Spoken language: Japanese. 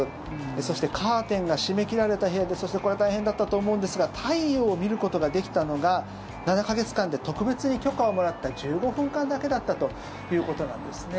そしてカーテンが閉め切られた部屋でそしてこれは大変だったと思うんですが太陽を見ることができたのが７か月間で特別に許可をもらった１５分間だけだったということなんですね。